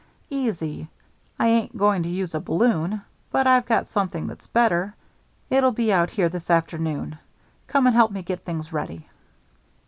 "Easy. I ain't going to use a balloon, but I've got something that's better. It'll be out here this afternoon. Come and help me get things ready."